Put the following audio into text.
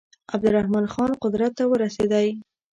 عبدالرحمن خان قدرت ته ورسېدی.